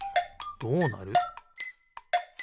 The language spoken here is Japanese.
どうなる？